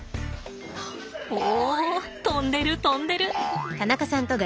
おお跳んでる跳んでる。